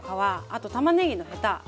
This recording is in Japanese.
あとたまねぎのヘタ